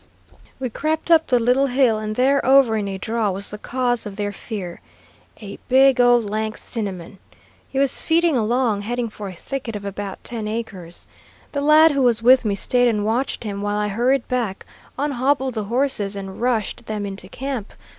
"We crept up the little hill, and there over in a draw was the cause of their fear, a big old lank Cinnamon. He was feeding along, heading for a thicket of about ten acres. The lad who was with me stayed and watched him, while I hurried back, unhobbled the horses, and rushed them into camp.